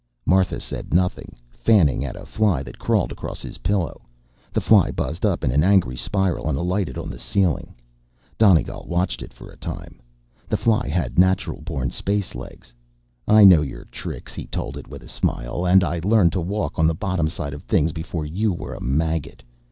Martha said nothing, fanned at a fly that crawled across his pillow. The fly buzzed up in an angry spiral and alighted on the ceiling. Donegal watched it for a time. The fly had natural born space legs. I know your tricks, he told it with a smile, and I learned to walk on the bottomside of things before you were a maggot.